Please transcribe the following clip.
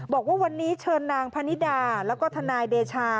บอกว่าวันนี้เชิญนางพนิดาแล้วก็ทนายเดชา